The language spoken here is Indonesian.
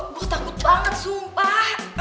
gue takut banget sumpah